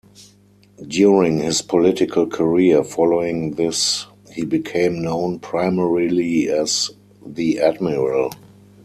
During his political career following this he became known primarily as "the Admiral".